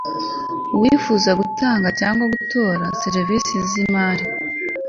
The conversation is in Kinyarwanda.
wifuza gutanga cyangwa gukora serivisi z imari